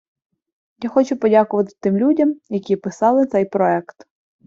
Я хочу подякувати тим людям, які писали цей проект.